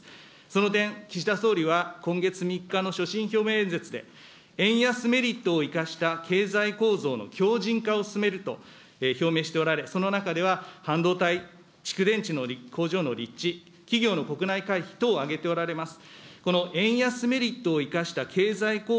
その点、岸田総理は、今月３日の所信表明演説で、円安メリットを生かした経済構造の強じん化を進めると表明しておられ、その中では半導体、蓄電池の工場の立地、企業の国内回帰等を挙げておられます。